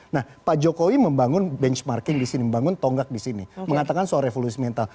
nah pak jokowi membangun benchmarking di sini membangun tonggak di sini mengatakan soal revolusi mental